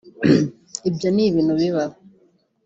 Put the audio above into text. ibyo ni ibintu bibaho